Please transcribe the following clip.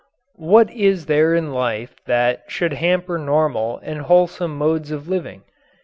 What is there in life that should hamper normal and wholesome modes of living?